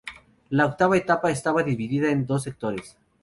La octava etapa estaba dividida en dos sectores.